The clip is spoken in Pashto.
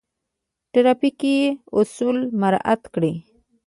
ټرافیکي اصول مراعات کړئ